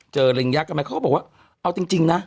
ริงยักษ์กันไหมเขาก็บอกว่าเอาจริงนะ